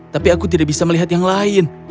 tapi aku tidak bisa melihat yang lain